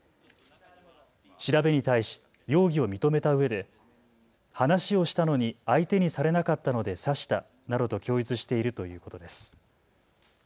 調べに対し容疑を認めたうえで話をしたのに相手にされなかったので刺したなどと供述しているということです。